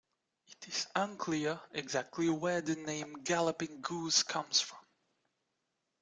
It is unclear exactly where the name "Galloping Goose" comes from.